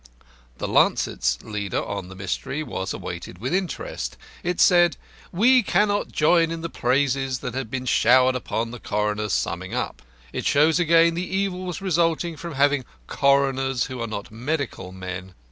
The Lancet's leader on the Mystery was awaited with interest. It said: "We cannot join in the praises that have been showered upon the coroner's summing up. It shows again the evils resulting from having coroners who are not medical men.